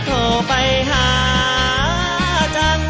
ขอบคุณครับ